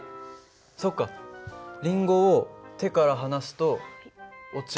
そっかりんごを手から離すと落ちる。